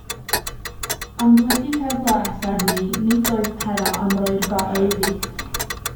Ond wedi cael blas arni, nid oedd Pero am roi'r gorau iddi.